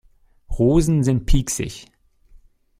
Rosen sind pieksig.